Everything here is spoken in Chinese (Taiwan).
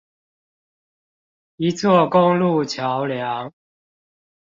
一座公路橋梁